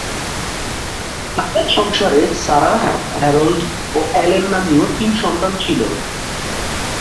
তাদের সংসারে ‘Sarah’, ‘Harold’ ও ‘অ্যালেন’ নামীয় তিন সন্তান ছিল।